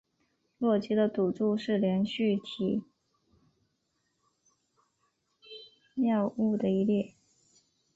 洛基的赌注是连续体谬误的一例。